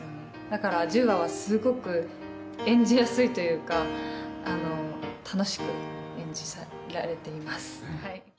だから１０話はすごく演じやすいというか楽しく演じられています。